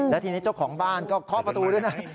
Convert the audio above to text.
และทีนี้เจ้าของบ้านก็เคาะประตูด้วยนะ